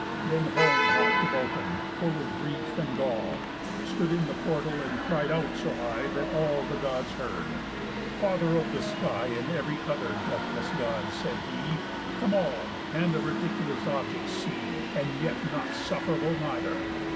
Then home hopp'd Vulcan, full of grief and gall, Stood in the portal, and cried out so high, That all the Gods heard; "Father of the sky, And ev'ry other deathless God," said he, "Come all, and a ridiculous object see, And yet not sufferable neither.